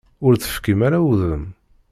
Ur d-tefkim ara udem.